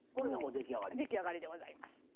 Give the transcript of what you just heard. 出来上がりでございます。